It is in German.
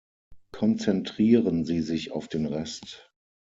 Konzentrieren Sie sich auf den Rest.